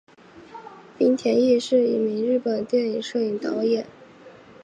滨田毅是一名日本电影摄影导演。